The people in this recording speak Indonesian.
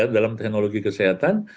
dalam teknologi kesehatan